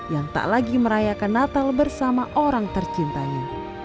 yang tak lagi merayakan natal bersama orang tercintanya